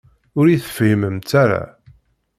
Ur iyi-tefhimemt ara.